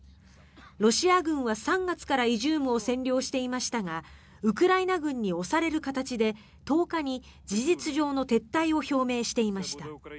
ロシア軍は３月からイジュームを占領していましたがウクライナ軍に押される形で１０日に事実上の撤退を表明していました。